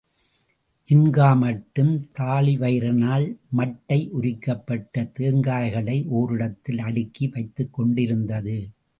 ஜின்காமட்டும் தாழிவயிறனால் மட்டை உரிக்கப்பட்ட தேங்காய்களை ஓரிடத்தில் அடுக்கி வைத்துக்கொண்டிருந்தது.